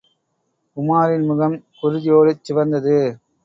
உமாரின் முகம் குருதியோடிச் சிவந்தது.